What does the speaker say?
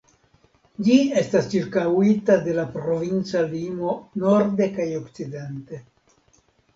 Ĝi estas ĉirkaŭita de la provinca limo norde kaj okcidente.